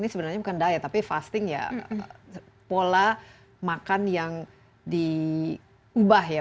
ini sebenarnya bukan diet tapi fasting ya pola makan yang diubah ya